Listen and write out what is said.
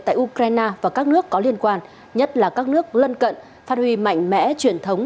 tại ukraine và các nước có liên quan nhất là các nước lân cận phát huy mạnh mẽ truyền thống